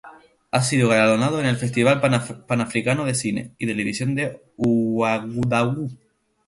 Ha sido galardonado en el Festival Panafricano de Cine y Televisión de Ouagadougou.